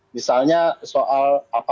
misalnya soal apa pengetahuan